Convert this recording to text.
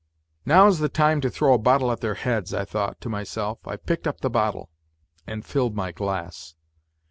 " Now is the time to throw a bottle at their heads," I thought to myself. I picked up the bottle ... and filled my glass.